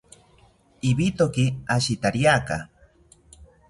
Ibitoki ashitariaka